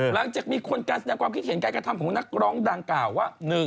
หลังจากมีคนการแสดงความคิดเห็นการกระทำของนักร้องดังกล่าวว่า